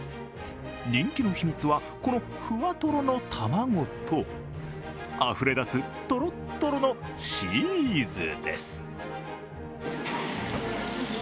人気の秘密は、このふわとろの卵とあふれ出すとろっとろのチーズです。